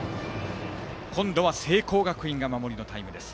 今度は聖光学院が守りのタイムです。